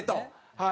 はい。